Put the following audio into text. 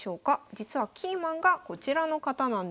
実はキーマンがこちらの方なんです。